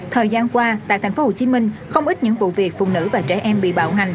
thời gian qua tại tp hcm không ít những vụ việc phụ nữ và trẻ em bị bạo hành